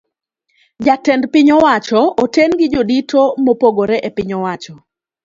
Jatend piny owacho oten gi jodito mopogore epiny owacho.